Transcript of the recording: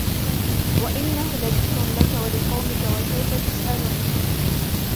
وإنه لذكر لك ولقومك وسوف تسألون